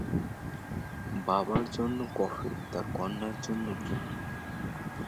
বাবার জন্য কফি, তার কন্যার জন্য কী?